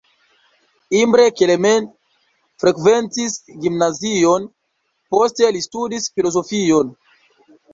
Imre Kelemen frekventis gimnazion, poste li studis filozofion.